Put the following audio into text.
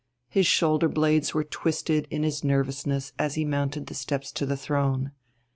His shoulder blades were twisted in his nervousness as he mounted the steps to the throne.